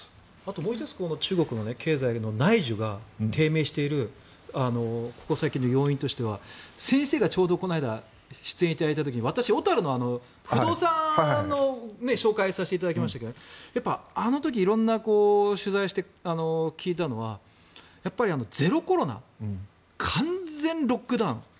もう１つ経済の内需が低迷しているここ最近の要因としては先生がちょうどこの間出演した時に私、小樽の不動産の紹介をさせていただきましたけどあの時いろんな取材をして聞いたのがゼロコロナ、完全ロックダウン。